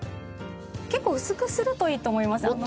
結構薄くするといいと思います。